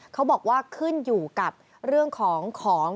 เขาบอกว่าขึ้นอยู่กับเรื่องของของ